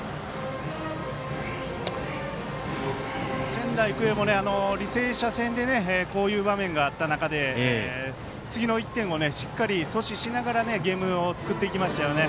仙台育英も履正社戦でこういう場面があった中で次の１点をしっかり阻止しながらゲームを作っていきましたよね。